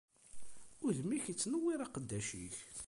Udem-ik ittnewwir aqeddac-ik.